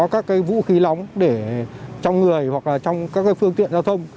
các vũ khí nóng để trong người hoặc là trong các phương tiện giao thông